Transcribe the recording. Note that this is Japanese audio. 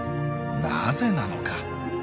なぜなのか。